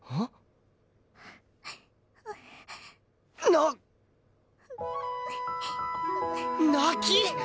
なっ泣き！？